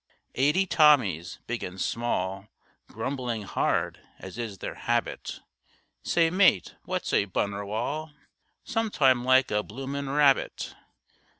Eighty Tommies, big and small, Grumbling hard as is their habit. "Say, mate, what's a Bunerwal?" "Sometime like a bloomin' rabbit."